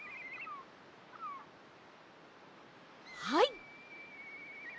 はい。